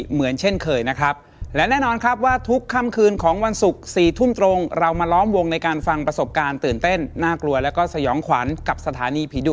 เหมือนเช่นเคยนะครับและแน่นอนครับว่าทุกค่ำคืนของวันศุกร์๔ทุ่มตรงเรามาล้อมวงในการฟังประสบการณ์ตื่นเต้นน่ากลัวแล้วก็สยองขวัญกับสถานีผีดุ